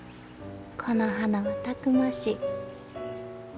この花はたくましい。